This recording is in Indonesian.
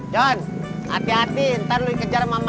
john hati hati ntar lu dikejar sama mama